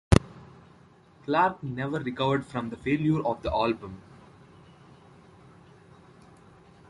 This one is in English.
Clark never recovered from the failure of the album.